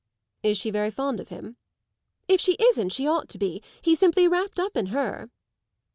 "Is she very fond of him?" "If she isn't she ought to be. He's simply wrapped up in her."